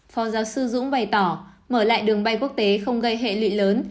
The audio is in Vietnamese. phó giáo sư dũng bày tỏ mở lại đường bay quốc tế không gây hệ lụy lớn